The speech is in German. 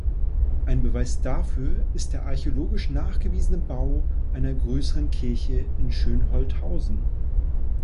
Ein Beweis dafür ist der archäologisch nachgewiesene Bau einer größeren Kirche in Schönholthausen.